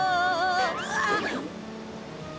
あっ。